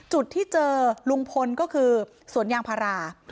จุดที่เจอลุงพลก็คือสวนยางพารา